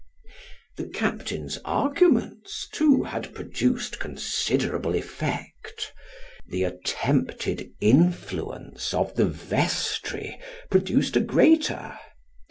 The captain's arguments, too, had produced considerable effect : the attempted influence of the vestry produced a greater.